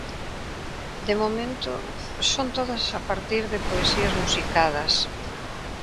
De momento son todas a partir de poesías musicadas.